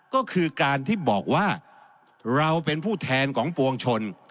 ก็คือการที่บอกว่าเราเป็นผู้แทนของปวงชน